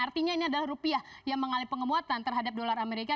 artinya ini adalah rupiah yang mengalih penguatan terhadap dolar amerika